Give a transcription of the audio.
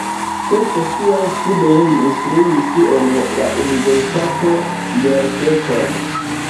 Post siaj studoj li instruis en la universitato jardekon.